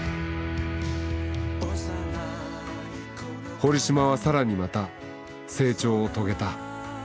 堀島は更にまた成長を遂げた。